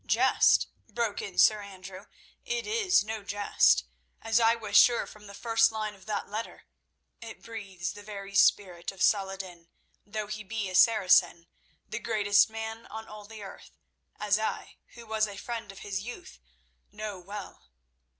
"Jest?" broke in Sir Andrew; "it is no jest, as I was sure from the first line of that letter. It breathes the very spirit of Saladin, though he be a Saracen, the greatest man on all the earth, as I, who was a friend of his youth, know well.